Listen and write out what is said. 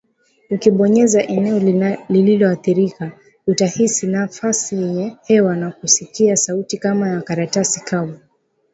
Ukibonyeza eneo lililoathirika utahisi nafasi yenye hewa na kusikia sauti kama ya karatasi kavu